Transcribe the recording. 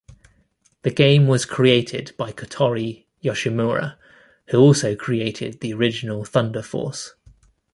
The game was created by Kotori Yoshimura, who also created the original "Thunder Force".